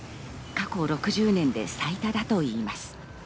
過去６０年で最多だといいます。